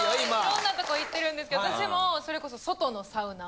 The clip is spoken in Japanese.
色んなとこ行ってるんですけど私もそれこそ外のサウナ。